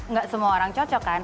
nggak semua orang cocok kan